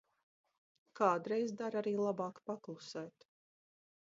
Kādreiz der arī labāk paklusēt.